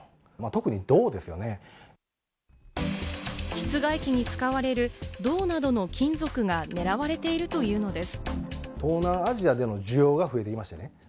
室外機に使われる銅などの金属が狙われているというのです。